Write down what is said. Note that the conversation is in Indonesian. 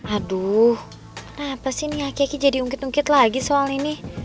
aduh kenapa sih nih aki aki jadi ungkit ungkit lagi soal ini